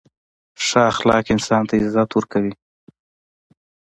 • ښه اخلاق انسان ته عزت ورکوي.